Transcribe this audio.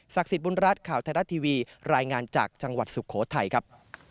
สิทธิ์บุญรัฐข่าวไทยรัฐทีวีรายงานจากจังหวัดสุโขทัยครับ